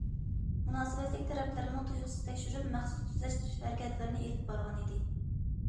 مۇناسىۋەتلىك تەرەپلەرمۇ تۇيۇقسىز تەكشۈرۈپ، مەخسۇس تۈزەش ھەرىكەتلىرىنى ئېلىپ بارغان ئىدى.